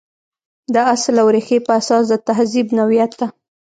د اصل او ریښې په اساس د تهذیب نوعیت ته.